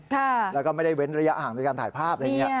แล้วก็ไม่ได้เว้นระยะห่างในการถ่ายภาพอะไรอย่างนี้